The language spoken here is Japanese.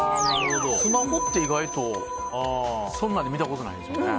スマホって意外と、そんなの見たことないですよね。